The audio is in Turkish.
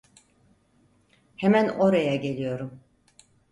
Hemen oraya geliyorum.